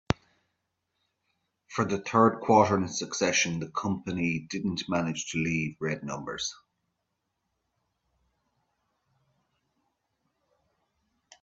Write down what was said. For the third quarter in succession, the company didn't manage to leave red numbers.